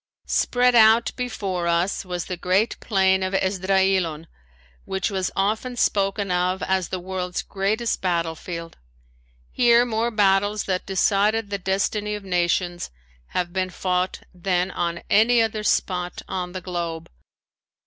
Spread out before us was the great Plain of Esdraelon, which was often spoken of as the world's greatest battlefield. Here more battles that decided the destiny of nations have been fought than on any other spot on the globe.